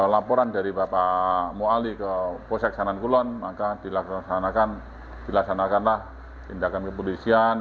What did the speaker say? laporan dari bapak muali ke polsek sanankulon maka dilaksanakan dilaksanakanlah tindakan kepolisian